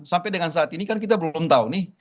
sampai dengan saat ini kan kita belum tahu nih